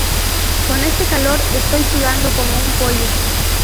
Con este calor estoy sudando como un pollo